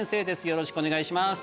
よろしくお願いします